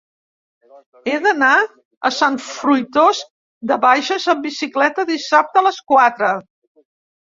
He d'anar a Sant Fruitós de Bages amb bicicleta dissabte a les quatre.